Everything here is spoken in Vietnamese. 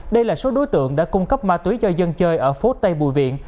đây là số đối tượng đã cung cấp ma túy cho dân chơi ở phố tây bùi viện